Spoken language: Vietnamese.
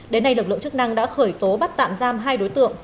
đến nay lực lượng chức năng đã khởi tố bắt tạm giam hai đối tượng